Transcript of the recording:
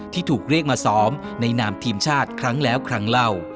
ที่ถูกเรียกมาซ้อมในนามทีมชาติครั้งแล้วครั้งเล่า